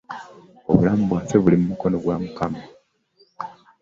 Obulamu bwaffe buli mu mukono gwa mukama.